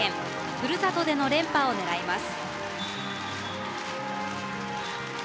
ふるさとでの連覇を狙います。